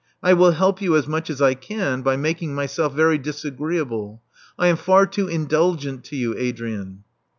I will help you as much as I can by making myself very disagreeable. I am far too indulgent to you, Adrian."